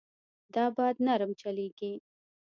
دا باد نرم چلېږي.